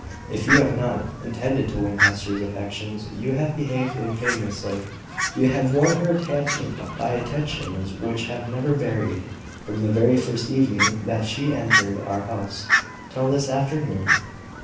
If you have not intended to win Hester's affections, you have behaved infamously. You have won her attachment by attentions which have never varied, from the very first evening that she entered our house, till this afternoon.